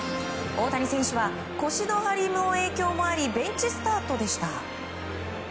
大谷選手は腰の張りの影響もありベンチスタートでした。